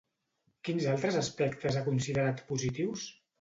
Quins altres aspectes ha considerat positius?